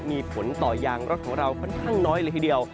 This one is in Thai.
มีผลต่อยางรถของเราค่อนข้างน้อยเลยทีเดียว